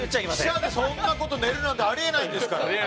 記者でそんな事寝るなんてあり得ないんですから！